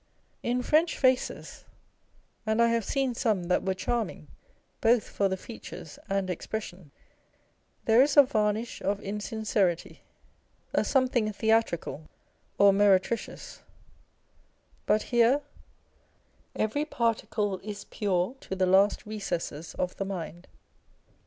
In French faces (and I have seen some that were charming both for the features and expression) there is a varnish of insincerity, a something theatrical or meretricious ; but here, every particle is pure to the " last recesses of the mind."